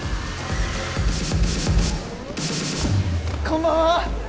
こんばんは！